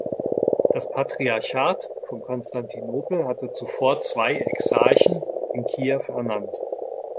Das Patriarchat von Konstantinopel hatte zuvor zwei Exarchen in Kiew ernannt.